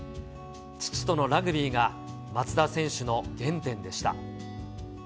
父とのラグビーが、松田選手の原点でした。